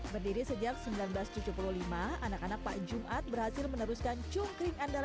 berdiri sejak seribu sembilan ratus tujuh puluh lima anak anak pak jumat berhasil meneruskan cungkring andalan